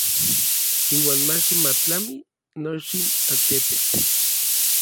Iuan mach ma tlami nochin altepetl.